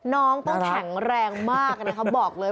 น้องต้องแข็งแรงมากนะคะบอกเลย